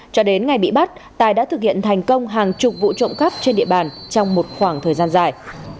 cho đến ngày bị bắt tài đã thực hiện thành công hàng chục vụ trộm cắp trên địa bàn trong một khoảng thời gian dài